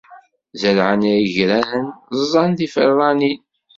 Zerɛen igran, ẓẓan tiferranin.